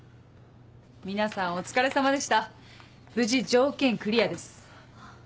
皆さんお疲れさまでした無事条件クリアです。